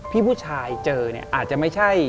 พี่ผู้ชายเจออาจจะไม่ใช่